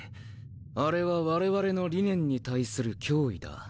あれは我々の理念に対する脅威だ。